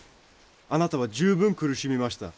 あなたは十分苦しみました。